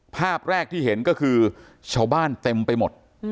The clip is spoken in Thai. ภาพแรกที่เห็นก็คือชาวบ้านเต็มไปหมด